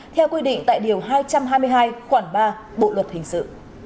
theo quy định tại điều hai trăm hai mươi hai khoảng ba bộ luật hình sự